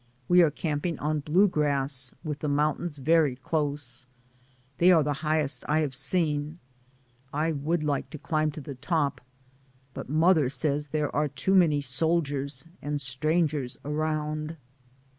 We are camp ing on blue grass, with the mountains very close. They are the highest I have seen. I would like to climb to the top, but mother says there are too many soldiers and strang ers around.